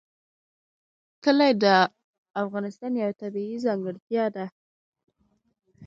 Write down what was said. کلي د افغانستان یوه طبیعي ځانګړتیا ده.